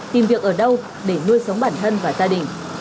tìm việc ở đâu để nuôi sống bản thân và gia đình